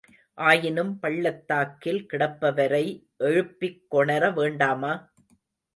ஆயினும் பள்ளத்தில் கிடப்பவரை எழுப்பிக் கொணர வேண்டாமா?